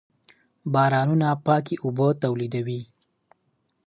بارانونه پاکې اوبه تولیدوي.